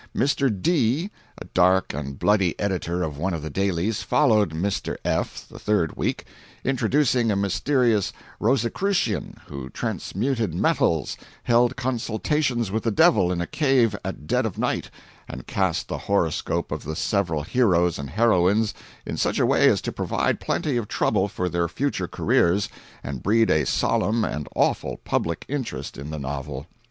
Mr. D., a dark and bloody editor of one of the dailies, followed Mr. F., the third week, introducing a mysterious Roscicrucian who transmuted metals, held consultations with the devil in a cave at dead of night, and cast the horoscope of the several heroes and heroines in such a way as to provide plenty of trouble for their future careers and breed a solemn and awful public interest in the novel.